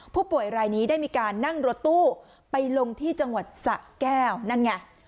ผู้ป่วยรายนี้ได้มีการนั่งรถตู้ไปลงที่จังหวัดสะแก้วนั่นไง